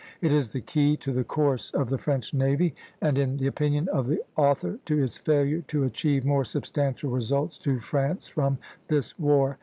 It is the key to the course of the French navy, and, in the opinion of the author, to its failure to achieve more substantial results to France from this war.